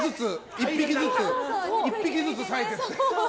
１匹ずつさいていって。